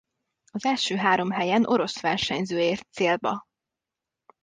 Az első három helyen orosz versenyző ért célba.